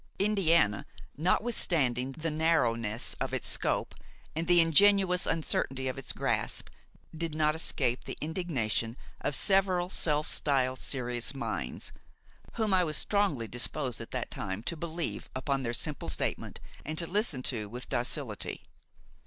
Indiana, notwithstanding the narrowness of its scope and the ingenuous uncertainty of its grasp, did not escape the indignation of several self styled serious minds, whom I was strongly disposed at that time to believe upon their simple statement and to listen to with docility.